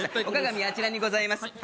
お鏡あちらにございます